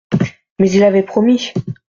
Mais il avait promis.